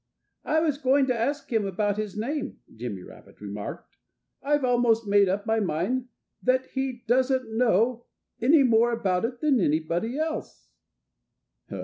"I was going to ask him about his name," Jimmy Rabbit remarked. "I've almost made up my mind that he doesn't know any more about it than anybody else."